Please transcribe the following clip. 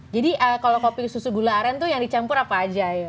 jadi kalau kopi susu gula aren tuh yang dicampur apa aja